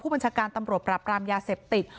บัญชาการตำรวจปราบรามยาเสพติด